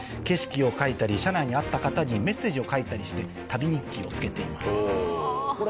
景色を描いたり車内で会った方にメッセージを書いたりして旅日記をつけています。